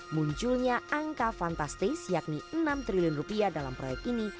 munculnya angka fantastis yakni enam triliun rupiah dalam proyek ini